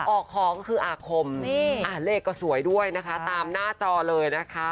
ออกของคืออาคมเลขก็สวยด้วยนะคะตามหน้าจอเลยนะคะ